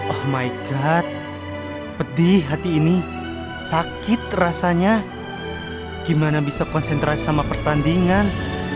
oh mygat pedih hati ini sakit rasanya gimana bisa konsentrasi sama pertandingan